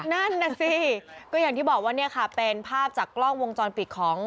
นั่นน่ะสิก็อย่างที่บอกว่าเนี่ยค่ะเป็นภาพจากกล้องวงจรปิดของ